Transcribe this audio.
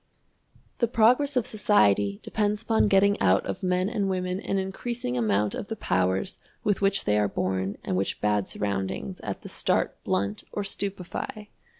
The progress of society depends upon getting out of men and women an increasing amount of the powers with which they are born and which bad surroundings at the start blunt or stupefy.